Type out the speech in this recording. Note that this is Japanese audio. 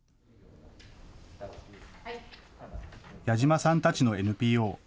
矢嶋さんたちのＮＰＯ。